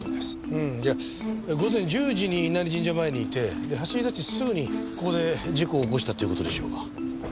うんじゃあ午前１０時に稲荷神社前にいて走り出してすぐにここで事故を起こしたという事でしょうか？